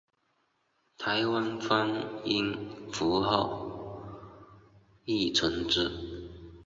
台湾方音符号亦从之。